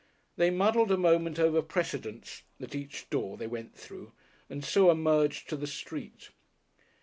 They muddled a moment over precedence at each door they went through and so emerged to the street.